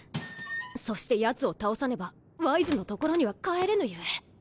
そしてヤツを倒さねばワイズの所には帰れぬゆえ。